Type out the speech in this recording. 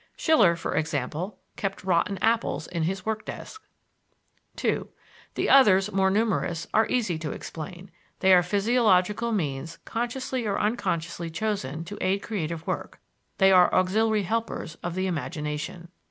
Schiller, for example, kept rotten apples in his work desk. (2) The others, more numerous, are easy to explain. They are physiological means consciously or unconsciously chosen to aid creative work; they are auxiliary helpers of the imagination.